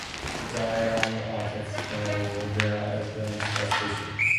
The islands are best known for their excellent sport fishing.